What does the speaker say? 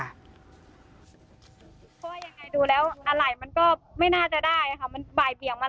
ถ้าอยากได้คุณก็ไปแจ้งความเอาไปจำเนินคดีเอา